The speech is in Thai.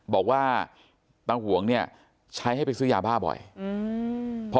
บอกว่าตาหวงเนี่ยใช้ให้ไปซื้อยาบ้าบ่อยอืม